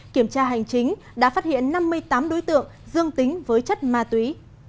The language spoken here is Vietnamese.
kiểm tra hành chính đã phát hiện năm mươi tám đối tượng dương tính với chất ma túy